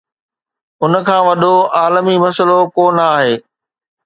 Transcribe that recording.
ان کان وڏو عالمي مسئلو ڪو نه آهي.